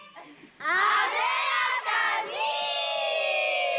艶やかに！